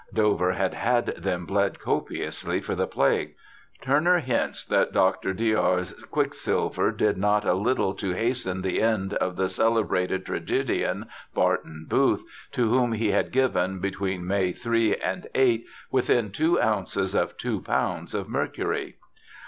(Dover had had them bled copiously for the plague.) Turner hints that Dr. D r's quicksilver did not a little to hasten the end of the celebrated tragedian, Barton Booth, to whom he had given, between May 3 and 8, within two ounces of two pounds of mercury.